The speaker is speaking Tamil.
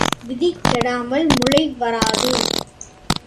விதை கெடாமல் முளைவராது.